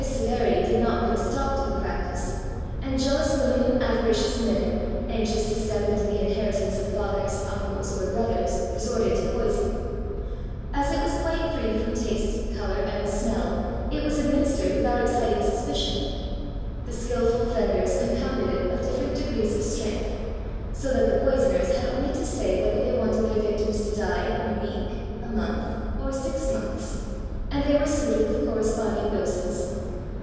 This severity did not put a stop to the practice, and jealous women and avaricious men, anxious to step into the inheritance of fathers, uncles, or brothers, resorted to poison. As it was quite free from taste, colour, and smell, it was administered without exciting suspicion. The skilful vendors compounded it of different degrees of strength, so that the poisoners had only to say whether they wanted their victims to die in a week, a month, or six months, and they were suited with corresponding doses.